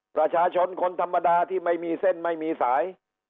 ประชาชนคนธรรมดาที่ไม่มีเส้นไม่มีสาย